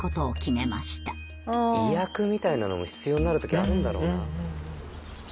意訳みたいなのも必要になる時あるんだろうなあ。